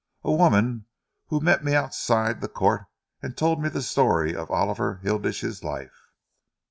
"A woman who met me outside the Court and told me the story of Oliver Hilditch's life."